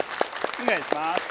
お願いします！